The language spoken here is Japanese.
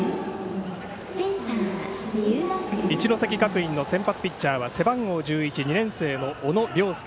一関学院の先発ピッチャーは背番号１１、２年生の小野涼介。